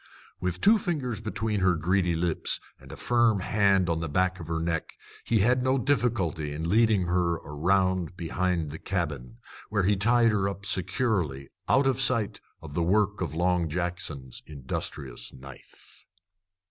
With two fingers between her greedy lips and a firm hand on the back of her neck, he had no difficulty in leading her around behind the cabin, where he tied her up securely, out of sight of the work of Long Jackson's industrious knife.